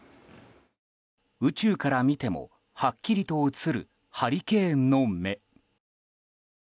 宇宙から見てもはっきりと映るハリケーンの目。